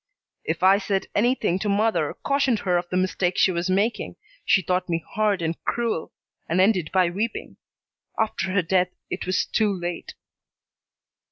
"If I said anything to mother, cautioned her of the mistake she was making, she thought me hard and cruel, and ended by weeping. After her death it was too late."